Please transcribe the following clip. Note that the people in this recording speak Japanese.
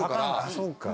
あそうか。